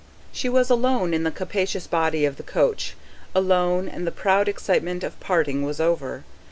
She was alone in the capacious body of the coach, alone, and the proud excitement of parting was over.